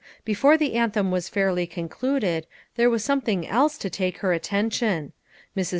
Before the anthem was fairly concluded there was something else to take her attention. Mrs.